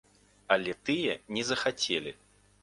Але тыя не захацелі.